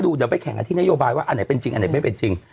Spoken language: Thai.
เดี๋ยวไปแข่งกันที่นโยบายว่าอันไหนเป็นจริงอันไหนไม่เป็นจริง